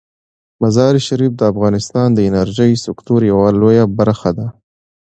مزارشریف د افغانستان د انرژۍ د سکتور یوه لویه برخه ده.